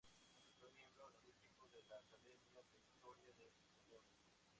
Fue miembro honorífico de la Academia de Historia del Ecuador.